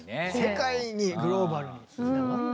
世界にグローバルにつながった。